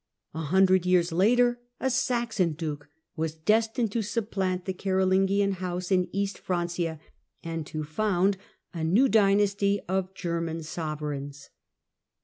A hundred years later a Saxon luke was destined to supplant the Carolingian house in East Francia, and to found a new dynasty of German sovereigns.